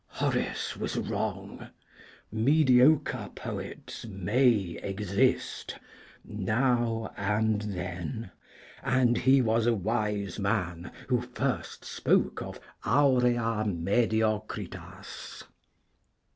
Horace was wrong, mediocre poets may exist (now and then), and he was a wise man who first spoke of aurea mediocritas.